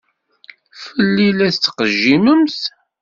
Fell-i i la tettqejjimemt?